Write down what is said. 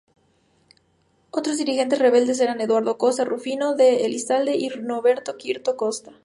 Otros dirigentes rebeldes eran Eduardo Costa, Rufino de Elizalde y Norberto Quirno Costa.